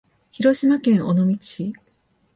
広島県尾道市